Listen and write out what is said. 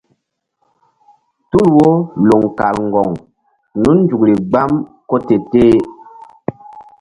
Tul wo loŋ kal ŋgoŋ nun nzukri gbam ko te-teh.